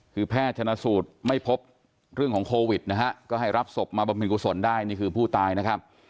คือแพทย์ชนะสูตรไม่พบเรื่องของโควิดนะฮะก็ให้รับศพมาบำเพ็ญกุศลได้นี่คือผู้ตายนะครับ